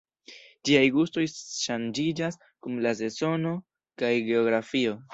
Ĝiaj gustoj ŝanĝiĝas kun la sezono kaj geografio.